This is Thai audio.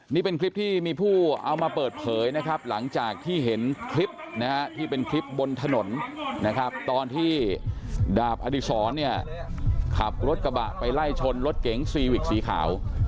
นี่เป็นคลิปที่มีผู้เอามาเปิดเผยนะครับหลังจากที่เห็นคลิปนะฮะที่เป็นคลิปบนถนนนะครับตอนที่ดาบอดีศรเนี่ยขับรถกระบะไปไล่ชนรถเก๋งซีวิกสีขาว